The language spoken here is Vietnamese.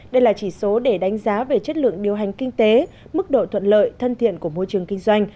đây là chỉ số để đánh giá về chất lượng điều hành kinh tế mức độ thuận lợi thân thiện của môi trường kinh doanh